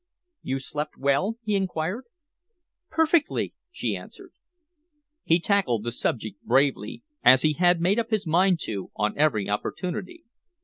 "You slept well?" he enquired. "Perfectly," she answered. He tackled the subject bravely, as he had made up his mind to on every opportunity.